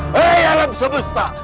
hei alam semesta